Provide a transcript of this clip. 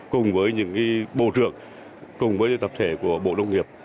cùng với những bộ trưởng cùng với tập thể của bộ nông nghiệp